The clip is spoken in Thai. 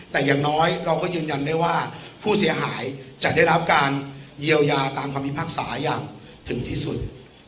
แต่อย่างน้อยเราก็ยืนยันได้ว่าผู้เสียหายจะได้รับการเยียวยาตามคำพิพากษาอย่างถึงที่สุด